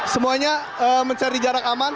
semuanya mencari jarak aman